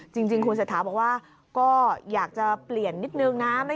จริงคุณเศรษฐาบอกว่าก็อยากจะเปลี่ยนนิดนึงนะ